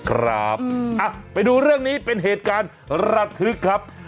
ครับไปดูเรื่องนี้เป็นเหตุการณ์ระทึกครับ